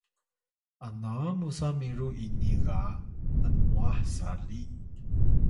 ana musa miru ini ga mmwah sali